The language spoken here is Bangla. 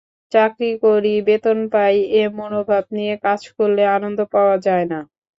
চাকরি করি, বেতন পাই—এ মনোভাব নিয়ে কাজ করলে আনন্দ পাওয়া যায় না।